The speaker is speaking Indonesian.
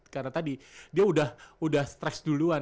karena tadi dia udah udah stress duluan